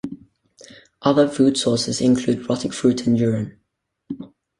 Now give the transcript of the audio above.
Other food sources include rotting fruit and urine.